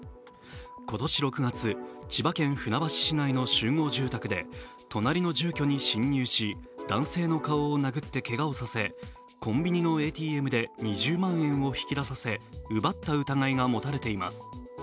今年６月、千葉県船橋市内の集合住宅で隣の住居に侵入し、男性の顔を殴ってけがをさせコンビニのＡＴＭで２０万円を引き出させ奪った疑いが持たれています。